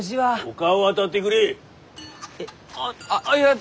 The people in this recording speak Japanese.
ああっいや。